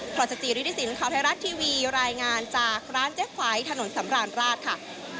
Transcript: พรสจิริสินข่าวไทยรัฐทีวีรายงานจากร้านเจ๊ไฝถนนสำราญราชค่ะ